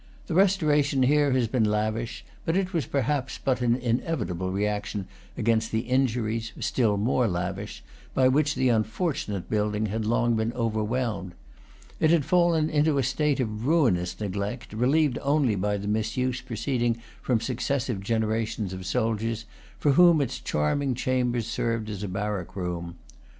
The restoration here has been lavish; but it was per haps but an inevitable reaction against the injuries, still more lavish, by which the unfortunate building had long been overwhelmed. It had fallen into a state of ruinous neglect, relieved only by the misuse pro ceeding from successive generations of soldiers, for whom its charming chambers served as barrack room.